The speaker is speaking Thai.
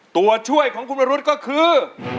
ตัวช่วยของคุณวรุษก็คือ